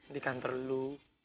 di kantor lu